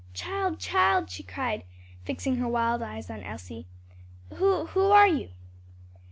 "Child! child!" she cried, fixing her wild eyes on Elsie, "who who are you?"